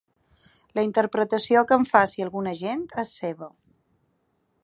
La interpretació que en faci alguna gent és seva.